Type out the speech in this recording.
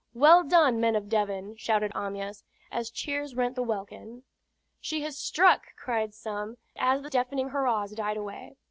"Well done, men of Devon!" shouted Amyas, as cheers rent the welkin. "She has struck!" cried some, as the deafening hurrahs died away.